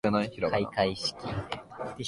かいかいしき